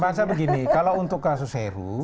bangsa begini kalau untuk kasus heru